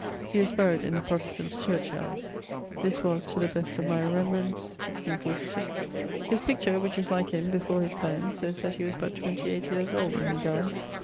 He was buryed in the Protestants church yard. This was (to the best of my remembrance) 1646. His picture, which is like him, before his Poems, says that he was but 28 yeares old when he dyed.